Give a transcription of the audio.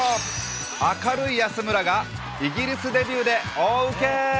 明るい安村がイギリスでビューで大ウケ。